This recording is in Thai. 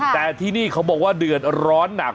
แต่ที่นี่เขาบอกว่าเดือดร้อนหนัก